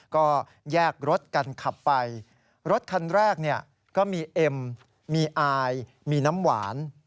ก็แยกรถกันขับไปรถคันแรกเนี่ยก็มีเอ็มมีอายมีน้ำหวาน